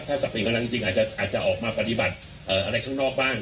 ถ้าศัพท์เปลี่ยนกำลังจริงจริงอาจจะออกมาปฏิบัติเอ่ออะไรข้างนอกบ้าง